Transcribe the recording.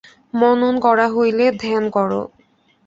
মনন করা হইলে ধ্যান কর।